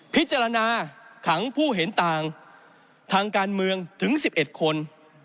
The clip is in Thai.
พิจารณาขังผู้เห็นต่างทางการเมืองถึง๑๑คน